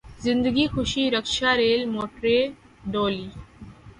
زندگی خوشی رکشا ریل موٹریں ڈولی